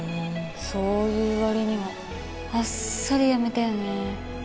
そう言う割にはあっさり辞めたよね。